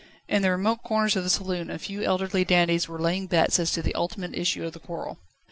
In the remote corners of the saloon a few elderly dandies were laying bets as to the ultimate issue of the quarrel.